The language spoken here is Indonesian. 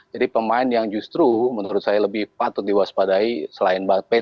jadi pemain yang justru menurut saya lebih patut diwaspadai selain bantuan